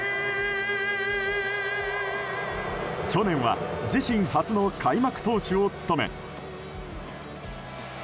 去年は自身初の開幕投手を務め。